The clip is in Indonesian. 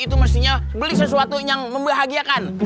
itu mestinya beli sesuatu yang membahagiakan